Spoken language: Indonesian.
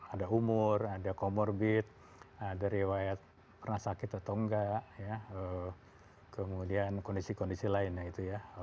ada umur ada comorbid ada riwayat pernah sakit atau enggak kemudian kondisi kondisi lainnya itu ya